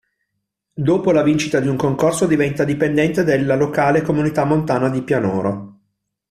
Dopo la vincita di un concorso diventa dipendente della locale Comunità montana di Pianoro.